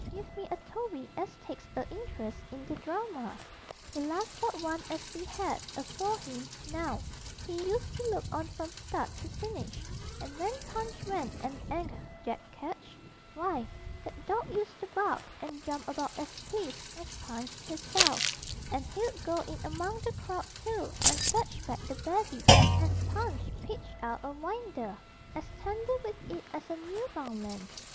Give me a Toby as takes a interest in the drama! The last but one as we had, afore him, now, he used to look on from start to finish, and when Punch went and 'anged Jack Ketch, why, that dawg used to bark and jump about as pleased as Punch 'isself, and he'd go in among the crowd too and fetch back the babby as Punch pitched out o' winder, as tender with it as a Newfunland!